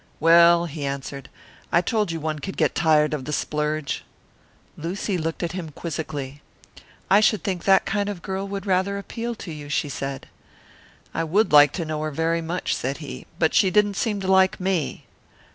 "Well," he answered, "I told you one could get tired of the splurge." Lucy looked at him quizzically. "I should think that kind of a girl would rather appeal to you," she said. "I would like to know her very much," said he, "but she didn't seem to like me."